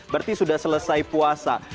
berarti sudah selesai puasa